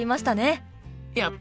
やった！